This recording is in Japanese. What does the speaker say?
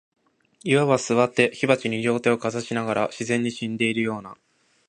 謂わば、坐って火鉢に両手をかざしながら、自然に死んでいるような、